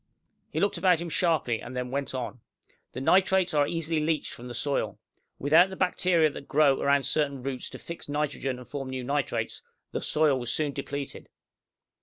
He looked about him sharply, and then went on. "The nitrates are easily leached from the soil. Without the bacteria that grow around certain roots to fix nitrogen and form new nitrates, the soil was soon depleted.